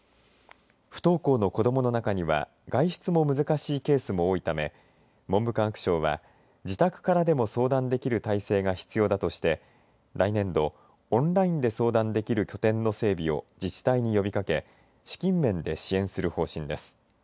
不登校の子どもの中には外出も難しいケースも多いため文部科学省は自宅からでも相談できる体制が必要だとして来年度、オンラインで相談できる拠点の整備を自治体に呼びかけ資金面で支援する方針です。